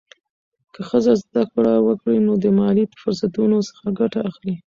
که ښځه زده کړه وکړي، نو د مالي فرصتونو څخه ګټه اخلي.